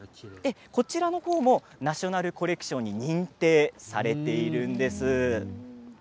こちらもナショナルコレクションに認定されているんです。